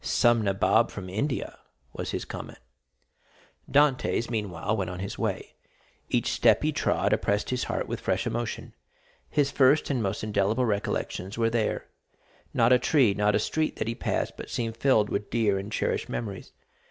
"Some nabob from India," was his comment. Dantès, meanwhile, went on his way. Each step he trod oppressed his heart with fresh emotion; his first and most indelible recollections were there; not a tree, not a street, that he passed but seemed filled with dear and cherished memories.